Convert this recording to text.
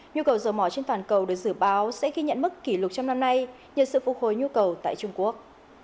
nhu cầu dầu mỏ trên toàn cầu được dự báo sẽ ghi nhận mức kỷ lục trong năm nay nhờ sự phục hồi nhu cầu tại trung quốc